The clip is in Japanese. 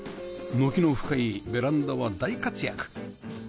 軒の深いベランダは大活躍